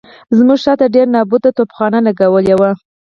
زموږ شاته ډېره نابوده توپخانه لګولې وه.